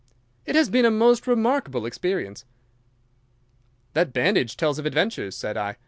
"It has been a most remarkable experience." "That bandage tells of adventures," said I.